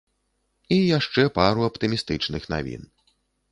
І яшчэ пару аптымістычных навін.